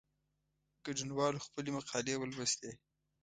ګډونوالو خپلي مقالې ولوستې.